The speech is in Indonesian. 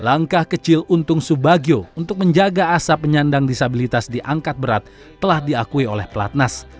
langkah kecil untung subagio untuk menjaga asap penyandang disabilitas diangkat berat telah diakui oleh pelatnas